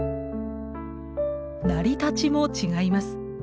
成り立ちも違います。